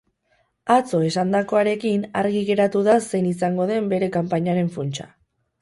Atzo esandakoarekin, argi geratu da zein izango den bere kanpainaren funtsa.